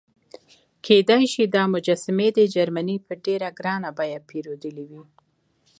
کېدای شي دا مجسمې دې جرمني په ډېره ګرانه بیه پیرودلې وي.